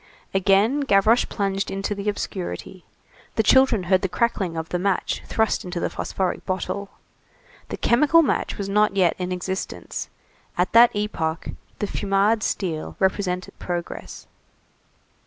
Again Gavroche plunged into the obscurity. The children heard the crackling of the match thrust into the phosphoric bottle. The chemical match was not yet in existence; at that epoch the Fumade steel represented progress.